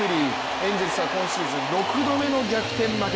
エンゼルスは今シーズン６度目の逆転負け。